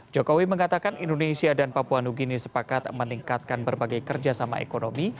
jokowi mengatakan indonesia dan papua new guine sepakat meningkatkan berbagai kerjasama ekonomi